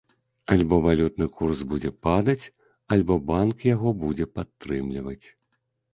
Альбо валютны курс будзе падаць, альбо банк яго будзе падтрымліваць.